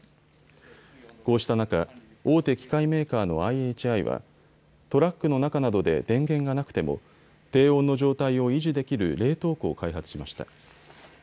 こうした中、大手機械メーカーのＩＨＩはトラックの中などで電源がなくても低温の状態を維持できる冷凍庫を開発しました。